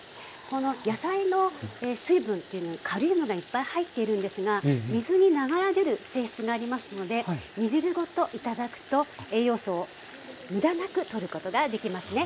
この野菜の水分というのはカリウムがいっぱい入っているんですが水に流れ出る性質がありますので煮汁ごと頂くと栄養素を無駄なくとることができますね。